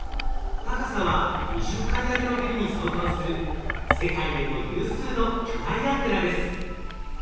高さは２０階建てのビルに相当する世界でも有数の巨大アンテナです。